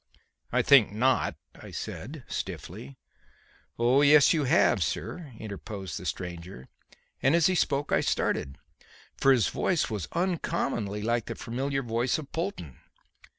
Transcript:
"I think not," I said stiffly. "Oh yes, you have, sir," interposed the stranger; and, as he spoke, I started; for the voice was uncommonly like the familiar voice of Polton.